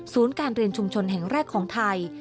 การเรียนชุมชนแห่งแรกของไทย